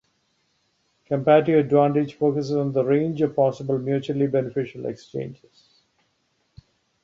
Comparative advantage focuses on the range of possible mutually beneficial exchanges.